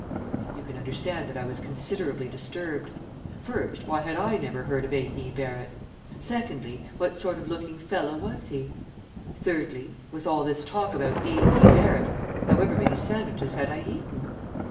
You can understand that I was considerably disturbed. First, why had I never heard of A. E. Barrett? Secondly, what sort of looking fellow was he? Thirdly, with all this talk about A. E. Barrett, however many sandwiches had I eaten?